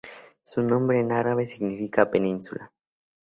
Su nombre en árabe significa península.